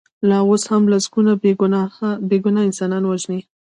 لا اوس هم لسګونه بې ګناه انسانان وژني.